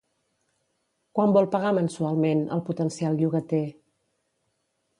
Quant vol pagar mensualment, el potencial llogater?